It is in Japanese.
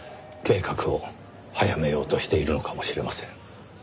計画を早めようとしているのかもしれません。